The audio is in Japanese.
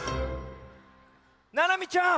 ななみちゃん！